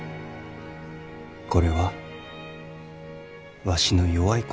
これはわしの弱い心じゃ。